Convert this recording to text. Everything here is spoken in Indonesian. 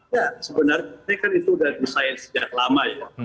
ya sebenarnya ini kan itu sudah desain sejak lama ya